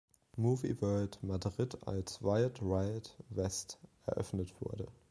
Movie World Madrid" als "Wild Wild West" eröffnet wurde.